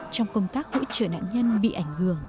trong công tác hỗ trợ nạn nhân bị ảnh hưởng